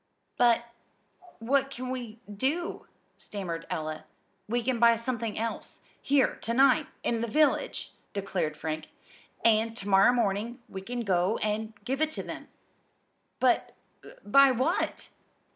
"But what can we do?" stammered Ella. "We can buy something else here to night in the village," declared Frank; "and to morrow morning we can go and give it to them." "But buy what?"